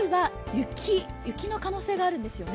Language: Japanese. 雪の可能性があるんですよね？